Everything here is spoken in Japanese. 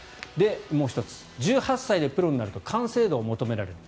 もう１つ、１８歳でプロになると完成度を求められる。